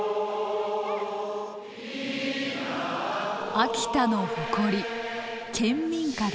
秋田の誇り県民歌だ。